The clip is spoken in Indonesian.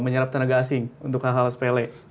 menyerap tenaga asing untuk hal hal sepele